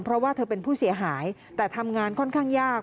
เพราะว่าเธอเป็นผู้เสียหายแต่ทำงานค่อนข้างยาก